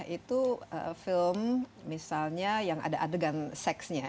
itu film misalnya yang ada adegan seksnya